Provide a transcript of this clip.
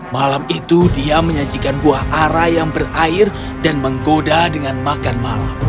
malam itu dia menyajikan buah arah yang berair dan menggoda dengan makan malam